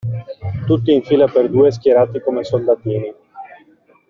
Tutti in fila per due, schierati come soldatini.